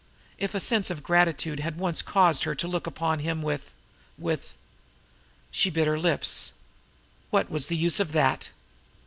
If a sense of gratitude had once caused her to look upon him with with She bit her lips. What was the use of that?